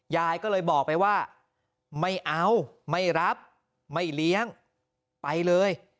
ยายก็เลยบอกไปว่าไม่เอาไม่รับไม่เลี้ยงไปเลย